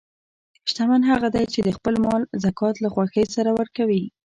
شتمن هغه دی چې د خپل مال زکات له خوښۍ سره ورکوي.